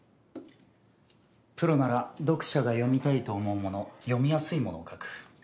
プロなら読者が読みたいと思うもの読みやすいものを書く。